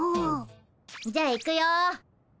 じゃあ行くよ。